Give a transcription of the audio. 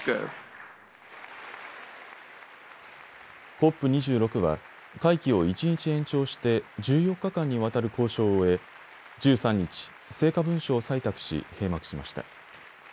ＣＯＰ２６は会期を１日延長して１４日間にわたる交渉を終え、１３日、成果文書を採択し閉幕しました。